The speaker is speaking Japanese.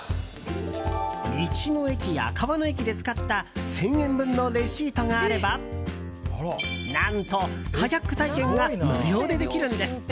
道の駅や川の駅で使った１０００円分のレシートがあれば何と、カヤック体験が無料でできるんです。